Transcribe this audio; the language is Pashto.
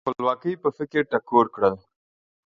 د خپلواکۍ په فکر ټکور کړل.